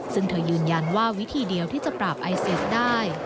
ซึ่งเธอยืนยันว่าวิธีเดียวที่จะปราบไอเสียสได้